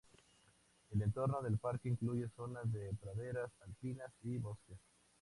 El entorno del parque incluye zonas de praderas alpinas y bosques.